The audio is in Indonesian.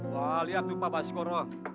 wah lihat tuh pak baskoroa